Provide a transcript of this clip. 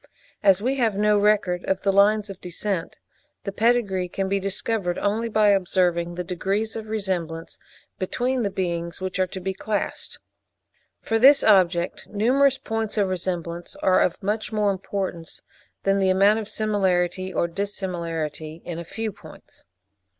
As we have no record of the lines of descent, the pedigree can be discovered only by observing the degrees of resemblance between the beings which are to be classed. For this object numerous points of resemblance are of much more importance than the amount of similarity or dissimilarity in a few points.